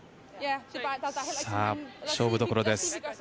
勝負どころです。